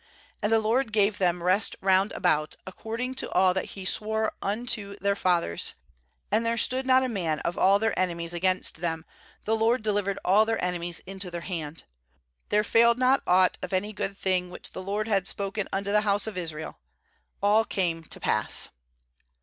And the LOED gave them rest round about, accord ing to all that He swore unto their fathers; and there stood not a man of all their enemies against them; the LORD delivered all their enemies into their hand, ^here failed not aught of any good thing which the LORD had spoken unto the house of Israel; all came to pass.